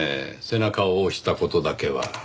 背中を押した事だけは。